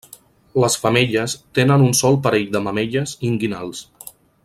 Les femelles tenen un sol parell de mamelles inguinals.